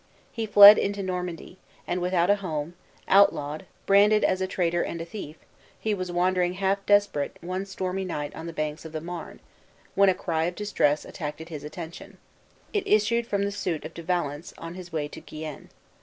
He fled into Normandy; and, without a home, outlawed, branded as a traitor and a thief, he was wandering half desperate one stormy night on the banks of the Marne, when a cry of distress attracted his attention. It issued from the suit of De Valence, on his way to Guienne.